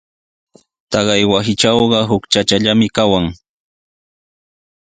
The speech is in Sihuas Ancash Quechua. Taqay wasitrawqa huk chachallami kawan.